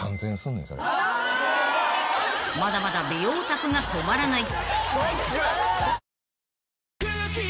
［まだまだ美容オタクが止まらない］